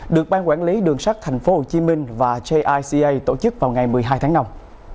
được ban quản lý đường sắt tp hcm và jica tổ chức vào ngày một mươi hai tháng năm